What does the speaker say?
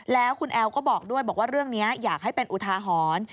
แล้วคุณแอลก็บอกด้วยบอกว่าเรื่องนี้อยากให้เป็นอุทาหรณ์